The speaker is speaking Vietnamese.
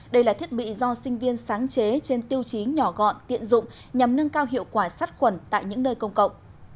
đây là thiết bị do sinh viên sáng chế trên tiêu chí nhỏ gọn tiện dụng nhằm nâng cao hiệu quả sát khuẩn tại những nơi công cộng